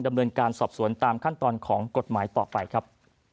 ดำเนินการสอบสวนตามขั้นตอนของกฎหมายต่อไปครับ